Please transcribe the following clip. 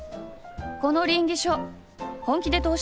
この稟議書本気で通したいの？